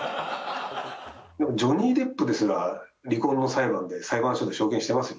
ジョニー・デップですら離婚の裁判で裁判所で証言してますよ